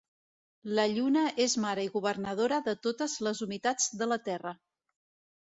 La lluna és mare i governadora de totes les humitats de la terra.